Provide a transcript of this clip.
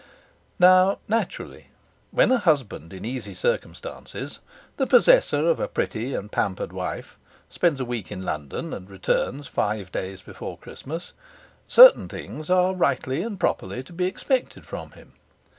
Now, naturally, when a husband in easy circumstances, the possessor of a pretty and pampered wife, spends a week in London and returns five days before Christmas, certain things are rightly and properly to be expected from him.